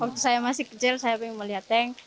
waktu saya masih kecil saya ingin melihat tank